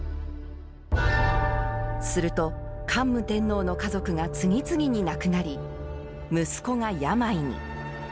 すると、桓武天皇の家族が次々に亡くなり、息子が病に。